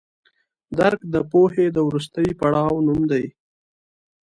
درک د پوهې د وروستي پړاو نوم دی.